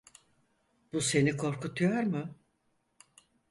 Bu seni korkutuyor mu?